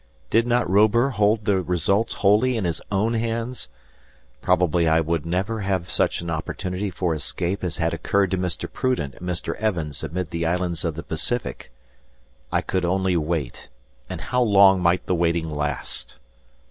Did not Robur hold the results wholly in his own hands? Probably I would never have such an opportunity for escape as had occurred to Mr. Prudent and Mr. Evans amid the islands of the Pacific. I could only wait. And how long might the waiting last!